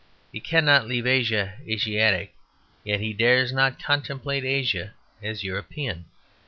He cannot leave Asia Asiatic: yet he dare not contemplate Asia as European.